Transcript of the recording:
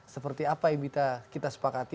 seperti apa yang bisa kita sepakati